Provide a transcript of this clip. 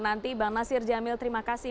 nanti bang nasir jamil terima kasih